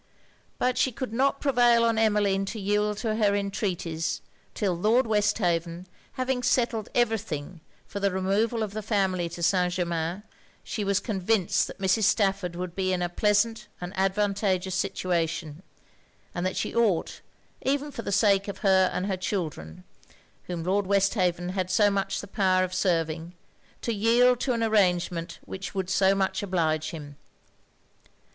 But she could not prevail on Emmeline to yield to her entreaties, 'till Lord Westhaven having settled every thing for the removal of the family to St. Germains, she was convinced that Mrs. Stafford would be in a pleasant and advantageous situation; and that she ought, even for the sake of her and her children, whom Lord Westhaven had so much the power of serving, to yield to an arrangement which would so much oblige him.